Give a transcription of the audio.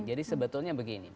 jadi sebetulnya begini